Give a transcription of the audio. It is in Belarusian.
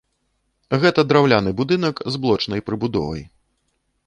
Гэта драўляны будынак з блочнай прыбудовай.